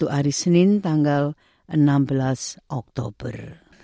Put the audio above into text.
hari senin tanggal enam belas oktober